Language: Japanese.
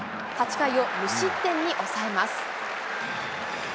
８回を無失点に抑えます。